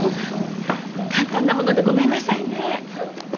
簡単なものでごめんなさいね。